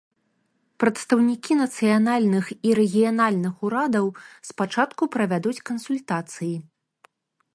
Прадстаўнікі нацыянальных і рэгіянальных урадаў спачатку правядуць кансультацыі.